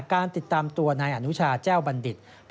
การติดตามตัวนายอนุชาแก้วบัณฑิต